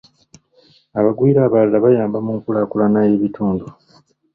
Abagwira abalala bayamba mu nkulaakulana y'ebitundu.